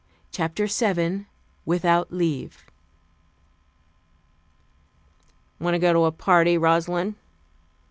CHAPTER VII WITHOUT LEAVE "Want to go to a party, Rosalind?"